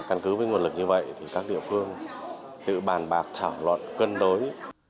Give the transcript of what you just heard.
căn cứ với nguồn lực như vậy thì các địa phương tự bàn bạc thảo luận cân đối